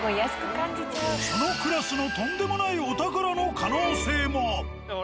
そのクラスのとんでもないお宝の可能性も。